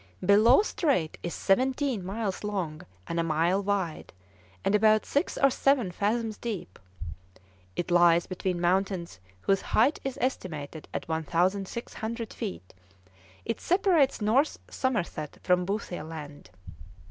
Bellot Strait is seventeen miles long and a mile wide, and about six or seven fathoms deep. It lies between mountains whose height is estimated at 1,600 feet. It separates North Somerset from Boothia Land.